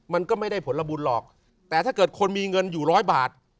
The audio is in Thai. มันก็ไม่ได้ผลบุญหรอกแต่ถ้าเกิดคนมีเงินอยู่ร้อยบาท